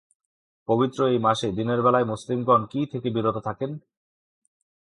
পবিত্র এই মাসে দিনের বেলায় মুসলিম গণ কি থেকে বিরত থাকেন?